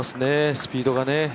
スピードがね。